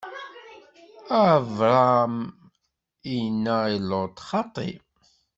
Abṛam inna i Luṭ: Xaṭi!